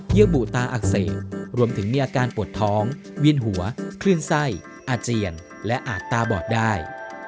ื่อบุตาอักเสบรวมถึงมีอาการปวดท้องเวียนหัวคลื่นไส้อาเจียนและอาจตาบอดได้